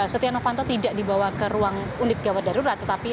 setia novanto tidak dibawa ke ruang unit gawat darurat